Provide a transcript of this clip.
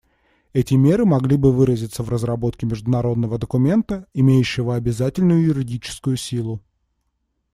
Эти меры могли бы выразиться в разработке международного документа, имеющего обязательную юридическую силу.